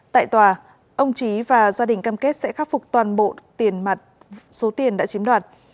tại tòa ông trí và gia đình cam kết sẽ khắc phục toàn bộ tiền mặt số tiền đã chiếm đoạt